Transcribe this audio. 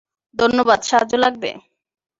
ধন্যবাদ সাহায্য লাগবে?